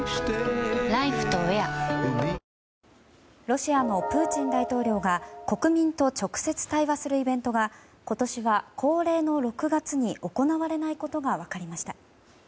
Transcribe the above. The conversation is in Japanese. ロシアのプーチン大統領が国民と直接対話するイベントが今年は恒例の６月に行われないことが分かりました。